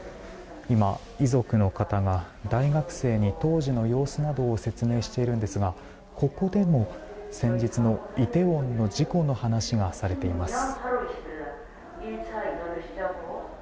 今、遺族の方が大学生に当時の様子などを説明しているんですがここでも先日のイテウォンの事故の話がされています。